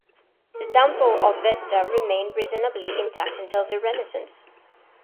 The Temple of Vesta remained reasonably intact until the Renaissance.